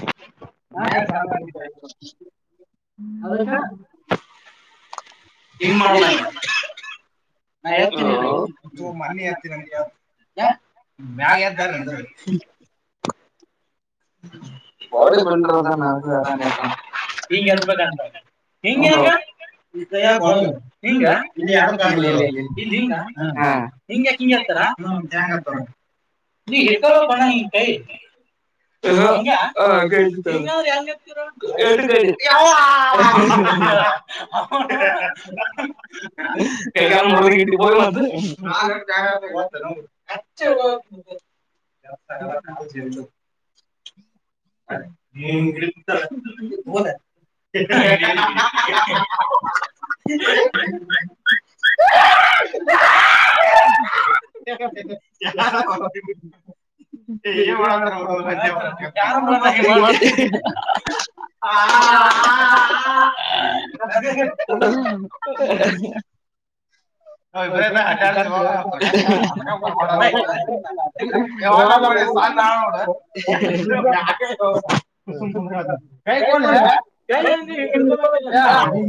[inaudible] ಹಾಾಮ ಅದಸ ಹಂಗ ಮಾಡ್ತ ನಾ ಮನ್ನಿ ಹತ್ತ ನಂಗೆ ಯ ಮ ಯಾರ್ದಂದ ಬಾಡಿ ಬಂಡ್ರದನ್ನದು ಅರಾಮ ಹಂಗ ಎದಬೇಕಂತ ಹಂಗ ಯಂಗ ಇಯ ಬರಂಗ ಹಿಂಗ ಯ ಇಲ್ಲಿ ಹಿಂಗ ಹ ಹಿಂಗ ಹಿಂಗ ಹರ್ತರಾ ಹ್ಮ ಗತ ನೀ ಹಿರ್ಕಲ ಕನ ಕೈ ಹ ಹಂಗೆ ಅಂದ್ರೆ ಹೆಂಗೆ ಎರಡು ಕೈಲಿ ಯೌವ್ವ ಹ [unintelligible] ಕೈ ಕಾಲ ಮುರದ ಕಟ್ಟಿಿ ಮತ್ತ ಗೊತ್ತೇನು ಅವು [inaudible] ಅತಲ್ಲಲ ಹ್ಹಾ [inaudible] ಏ ಏನ್ ಮಾಡತ್ರ ನೋಡು ಅವ ಯಾರು ಬಿ ಆ [unintelligible] ಅ ಇಬ್ರತ ಹಟಾಡ್ತವ ಸ ನಳೋಡ ಯಾು ಕೈ ಕೋಲ್ ಕೈಡ್ಕೋ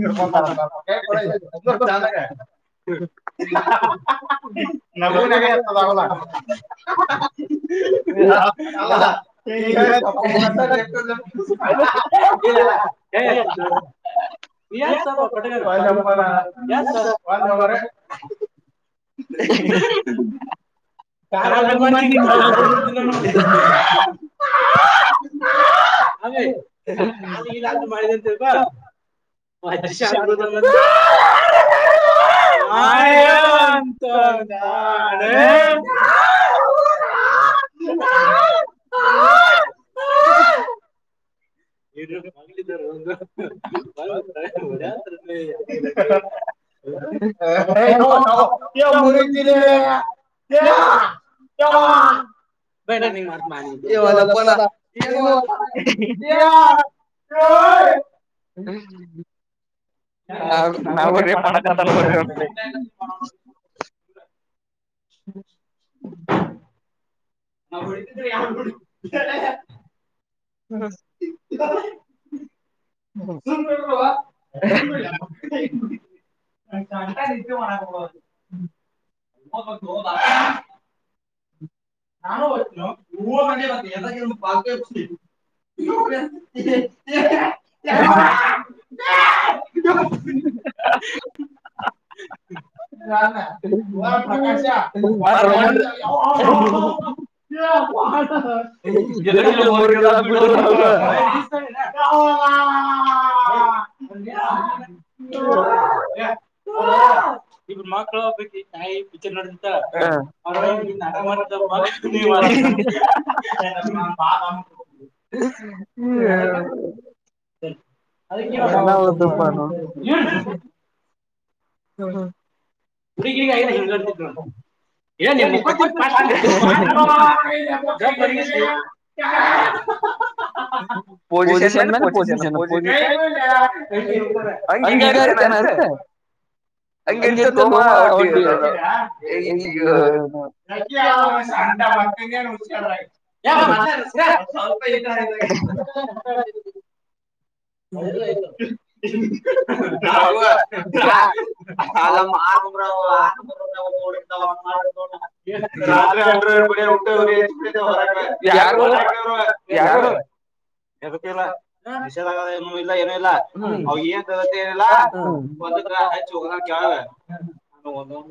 ಇಡ್ಕೊಂತಾರಡ ಚಂದಾಗ ನಗು ನಗ ಆತ ತಾವಲ್ಲ ಅ ಹೇಳ ನೀ ಯ ಪ ಯ [inaudible] ಕ ಅ ಅೇ ಹ ಅಜಜಿಸಿ ಅಬತ ಹಳ ಬಂತ ಬಾನ ಇ ಮಂಗಳಿದಾರ ಒಂದು ಒತ ಹ ಹ ಮುರಿಿದ್ದರಿಲ್ಲ ಹ ಯ ಯೌವ್ವ ಬ ನಾನ ಮಾಡತ ಮಾ ಬಲನು ಹ ಹಾ ನಾವು ರೇಪ್ ಮಾಡ್ಕತನ ತನ್ ಬಂದೆ ಹ್ಮ ನಾ ಹ್ಮ [unintelligible] ಶಂಂತ ನಿು ಮಕ ನಾನು ಬನ ಹಊ ನಡ ಬತ ಏ ಪ ಕ ಹ ಇ [unintelligible] [inaudible] ಪ್ರಾಶ ರಮಂಟ ಹ ಎಲ್ಲ ಮರಕಲ್ಲ ಬಿಡೋ [unintelligible] ಬ್ ಮಕ್ಳು ಹೋಗ್ಬೇಕ ನಾಯಿ ಪಿಕ್ಚರ್ ನೋ ಮಾಡ ಹ್ಮ [unintelligible] ಹ್ಮಗ ಕಾಯ ಕಡ್ತಿ ಇಲ್ಲ ಮುಕ ತಿ ಪ ಬ ಪೊಸಿಷನ್ ಮೇಲೆ ಪೊಸಿಷನ್ ಅಂಗಿ ಈಗ ಅರಿತೇನ ಅರಿತು ಅಂಗಿ ಅರಿತೇನ ಹೋಮ ಒಡ್ಡಿ ಇದು [unintelligible] [inaudible] [unintelligible] [unintelligible] ಯಾರ ಯಾರು ಇಲ್ಲ ಏನ ಇಲ್ಲ ಅವನಿಗೆ ಏನು ಸಮಸ್ಯೆ ಇಲ್ಲ ಮುದುಕ್ಕ [unintelligible] ಹೋಗೋಣ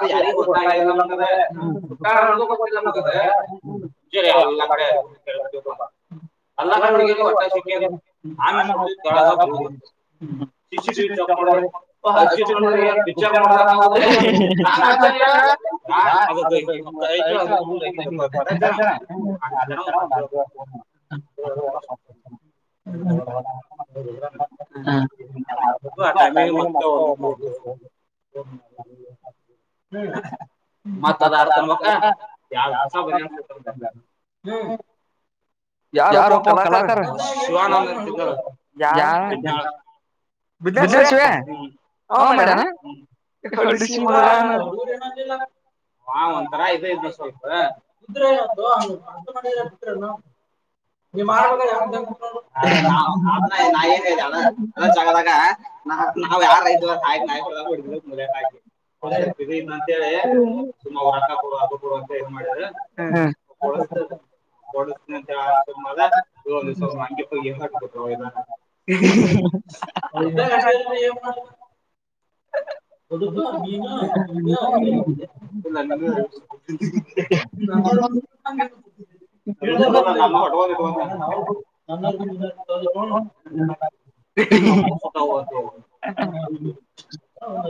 ತಡಿ [unintelligible] [unintelligible] ಎಲ್ಲಾ ಕಡೆ ಎಲ್ಲಾ ಕಡೆ [unintelligible] ಹ್ಮ ಸಿಸಿ ಟಿವಿ ಚೆಕ್ ಮಾಡಿದೆ ಹಚ್ಚಿ ಅಜ್ಜಿ ನೋಡಿದ್ರೆ ಪಿಕ್ಚರ್ ನೋಡ್ದಿದಂಗೆ ಆಗುತ್ತೆ [unintelligible] [unintelligible] [unintelligible] [unintelligible] [unintelligible] [unintelligible] [unintelligible] ಯಾರಪ್ಪೋ ಕಲಂಕರ್ ಯಾರ್ ಬಿಡ್ಲಾ ಶಿವಿ ಅವ ಮಾಡಣ [unintelligible] ಹಾ ಒಂಥರಾ ಇದೇ ಇದ್ದು ಇದ್ರೆ ಸ್ವಲ್ಪ [unintelligible] ನಾ ನಾವ್ ಯಾರ್ [unintelligible] ಹ್ಮ್ [unintelligible] ಕೊಡ್ತಿನಿ ಅಂತ ಹೇಳಿ [unintelligible] [unintelligible] [unintelligible] [inaudible] [unintelligible] [unintelligible] [unintelligible] [unintelligible] ಅಂತ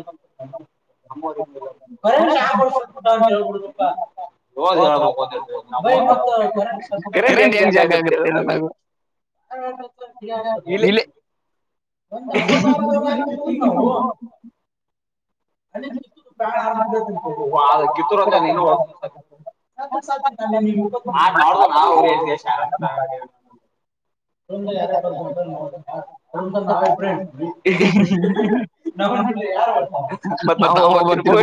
ಹೇಳಿಬಿಡಪ್ಪ ಕರೆಂಟ್ ಹೆಂಗ ಜಾಗ ಆಗತ್ತ ಇಲ್ಲಿ [unintelligible] [unintelligible] [unintelligible] [unintelligible] ಮತ್ತತ್ ನಾವ್ ಹೋಗಿ ಬರ್ತೀವಿಪ್ಪೋ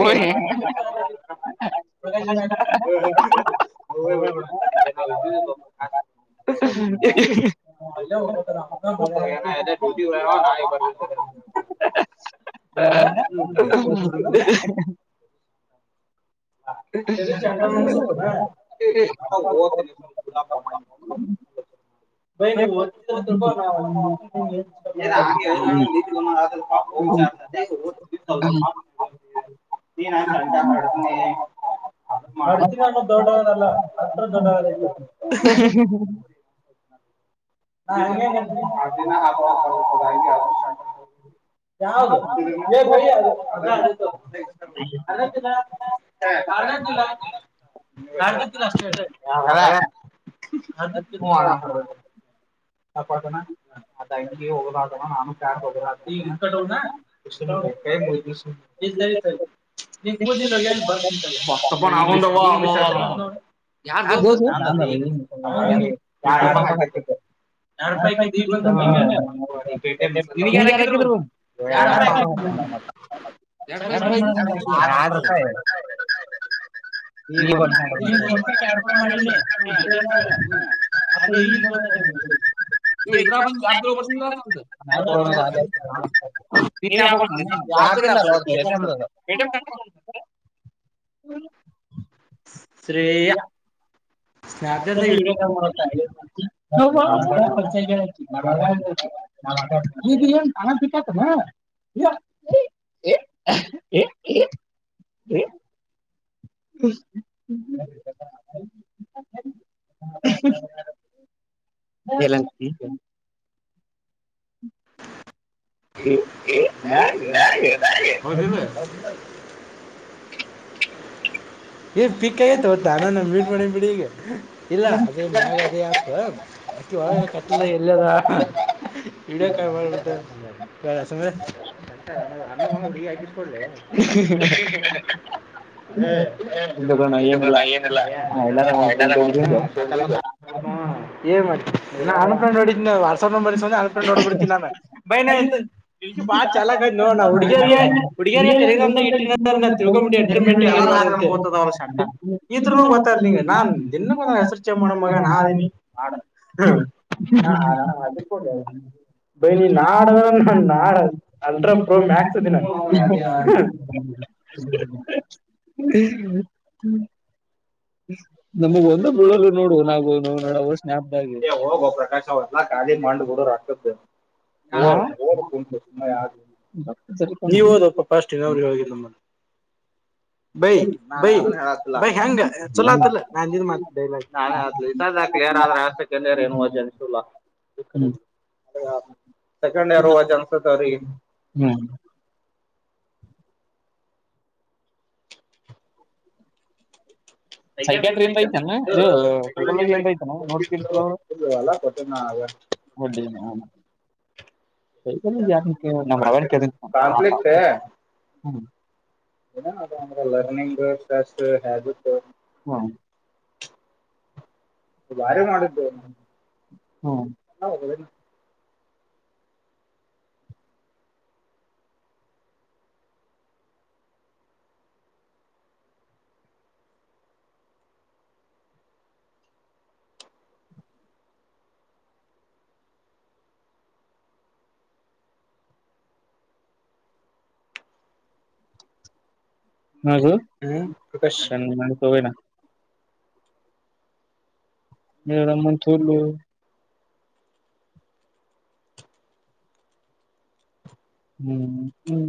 [unintelligible] [inaudible] [unintelligible] [unintelligible] [unintelligible] [inaudible] [inaudible] ಭ ನೀವು ನೀ ನ ಚ ಹ ಮಾಡ್ತೀನಿ ಅನು ದೊಡ್ಡವದಲ್ಲ ಅತ್ರ ದೊಡ್ಡವಾದಯ್ತ ಹಾಗ ಹ ಯಾವದು ಅದು ಅಡ ಕಷ್ಟ ಕ ಸಾಪಾಟನಾ ಅ ಇಂಗ ಒಲ ಆ ಆದ ನಾನು ಕೋಗ ಅ ಕ ಕ ಮುದ ಇ ನಿೂದ ಬ ನಿ ಆ ಗೌ ನ ಚ ಹ ಬ ನೀರ ಹ್ಮ್ ನೀ ಮಾಡ ಅದು ಈಗ ಬದ ನ ನೀವ ಯ ಯಿಂದ ಶ್ರೀ ಜಾ ಇ ಕ ಹ ತ ಹ್ಮ್ ಎಲ್ಲಂ ಬದ ಏ ಪಿಕ್ ಆಗತ ಗತ್ತ ಅನ್ನ ನ ಬೀಟ್ ಮಾಡ ಬಿಡಗೆ ಇಲ್ಲ ಸ ಅ ಒಳ ಕಟ್ಟ ಎಲ್ಲದಾ ಇಡಕಾಯ ಮಾಡಂದ್ರ ಹಾಕಿಟ್ಕಡ್ ಹ್ಮ ಹಏನಲ್ಲ ಹಾ ಏನ್ ಮಾಡ ನಾ ಅನ್ಫನಡ ವಾಟ್ಆಪ್ ನಂಬರ್ ಅನ್ಫ್ರಂಡ್ ನೋಡಿ ಬಿಡ್ತ ನಾನ ಬೈ ನ ಇಂತ ಇಬಾ ಚಲ ಇನ್ನು ನಾಡಗಾರರಿ ಹೊಡಗಾರಿಯ ಟೆಲಗ್ರಾಮಂತ ಇಟ್ಟ ತಿಳ್ಕ ಮು ಡ್ರೇ ಗ ಶಂ ಇದ್ನು ಗೊತ್ತಾರ ನಿ ನಾನ್ ದಿನ ಗೊ ಹೆಸರ್ಚೆ ಮಾಡ ಮಗ ನಾನಿ ಹಾಡ ಹಾ ಹಾ ನ ಹ ಕೊ ಬೈ ನೀ ನಾಡ ಅಂದ್ರ ನ ನಾ ಅಲ್ಟ ಹ್ಮ ಹೋಗ ಪ್ರಕಾಶ ಅವವ ಎಲ್ಲ ಖಾಲಿ ಮಾಡರು ರತದ್ದ ಹೋಗ ಕುಂಟು ಸು ಯ ನೀವ ಹಓದ ಪಾಪಾ ಅಷ್ಟಿನ ಅವ್ರಿಗೆ ಹೋಗಿದ ಬೈ ಬೈ ಬೈ ಹೆಂಗ ಚಲಾತ್ತಲ್ಲ ಕ್ಲಿಯರ್ ಆದ್ರೆಷ್ಟ ಜನು ಸೆಕ ಇರ್ ಹ ಚಾನ್ಸ ಅ ಹ್ಮ್ ಸೈಕಟ್ರ ಏ ಐತಾನ ಇದು ಸೈಕಾಲಜಿ ಏಂದ ಐತಾನ ನೋಡ್ಸ್ತಿ ಇರ್ತದರು ಒಡ್ಡೇ ಹ ಕೈ ಯಾರಕ್ಕೆ ನಮ್ಮನಕ್ಕೆ ಹ್ಮ ಲರ್ನಿಂಗ್ಸ್ [unintelligible] ಹಬಿಟ್ ಬಾರ ಮಾಡಿದ್ದು ಹಾ [unintelligible] [unintelligible] [unintelligible] ಹ್ಮ್ ಹ್ಮ್